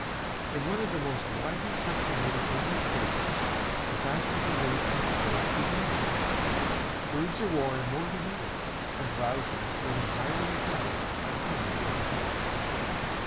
In one of the most widely circulated English papers the fashionable news from Paris begins: "Birds are worn more than ever, and blouses made entirely of feathers are coming into fashion."